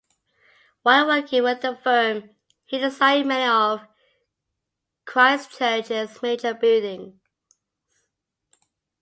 While working with the firm he designed many of Christchurch’s major buildings.